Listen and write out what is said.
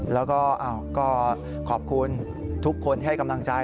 แล้วก็ขอบคุณทุกคนที่ให้กำลังใจ